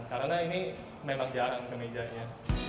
karena ini memang jarang kemejanya